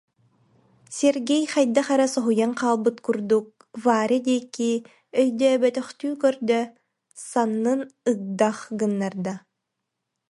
Сергей хайдах эрэ соһуйан хаалбыт курдук Варя диэки өйдөөбөтөхтүү көрдө, саннын ыгдах гыннарда